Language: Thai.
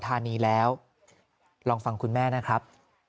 ธานีแล้วลองฟังคุณแม่นะครับ